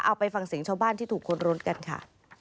เอาไปฟังเสียงชาวบ้านที่ถูกค้นรถกันค่ะ